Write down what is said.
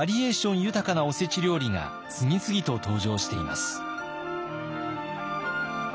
豊かなおせち料理が次々と登場しています。